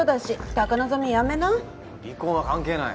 離婚は関係ない。